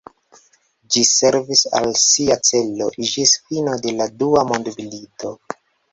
Ĝi servis al sia celo ĝis fino de la dua mondmilito.